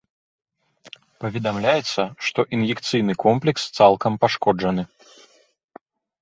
Паведамляецца, што ін'екцыйны комплекс цалкам пашкоджаны.